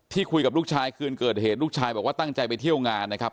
คุยกับลูกชายคืนเกิดเหตุลูกชายบอกว่าตั้งใจไปเที่ยวงานนะครับ